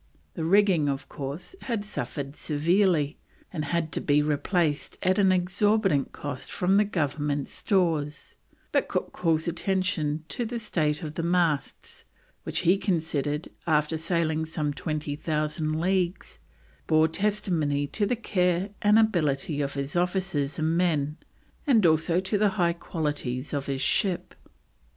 The rigging, of course, had suffered severely, and had to be replaced at an exorbitant cost from the Government Stores; but Cook calls attention to the state of the masts, which he considered, after sailing some 20,000 leagues, bore testimony to the care and ability of his officers and men, and also to the high qualities of his ship.